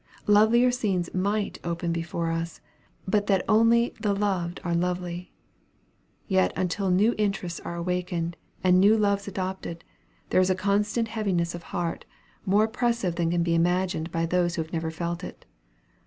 Lovelier scenes might open before us, but that only "the loved are lovely." Yet until new interests are awakened, and new loves adopted, there is a constant heaviness of heart, more oppressive than can be imagined by those who have never felt it.